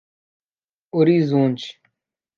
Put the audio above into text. Horizonte